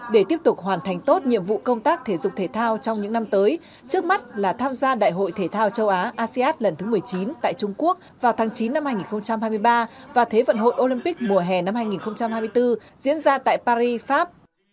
để tiếp tục hoàn thành tốt nhiệm vụ công tác thể dục thể thao trong những năm tới trước mắt là tham gia đại hội thể thao châu á asean lần thứ một mươi chín tại trung quốc vào tháng chín năm hai nghìn hai mươi ba và thế vận hội olympic mùa hè năm hai nghìn hai mươi bốn diễn ra tại paris pháp